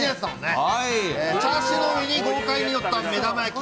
チャーシューの上に豪快にのった目玉焼き。